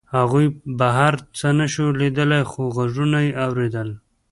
هغوی بهر څه نشوای لیدلی خو غږونه یې اورېدل